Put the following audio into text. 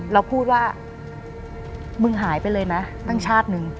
เราพูดว่ามึงหายไปเลยนะตั้งชาตินึง